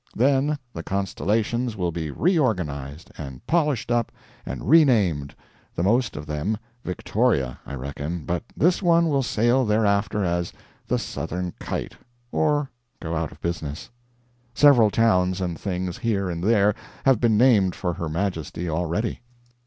Then the constellations will be re organized, and polished up, and re named the most of them "Victoria," I reckon, but this one will sail thereafter as the Southern Kite, or go out of business. Several towns and things, here and there, have been named for Her Majesty already.